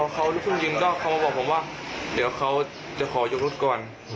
เขารู้สึกวินตัวมาบอกผมว่าเดี๋ยวเค้าจะขอยกรุกก่อน